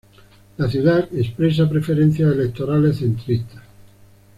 La ciudad expresa preferencias electorales centristas.